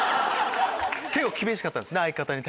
結構厳しかったんですね相方に。